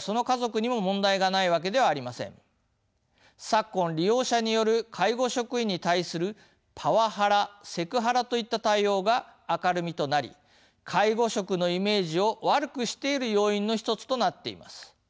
昨今利用者による介護職員に対するパワハラセクハラといった対応が明るみとなり介護職のイメージを悪くしている要因の一つとなっています。